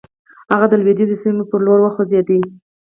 هغه د لويديځو سيمو پر لور وخوځېد.